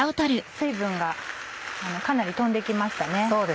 水分がかなり飛んで来ましたね。